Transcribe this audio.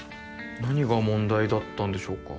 何が問題だったんでしょうか？